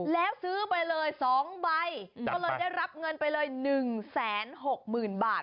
แล้วซื้อไปเลย๒ใบก็เลยได้รับเงินไปเลย๑๖๐๐๐บาท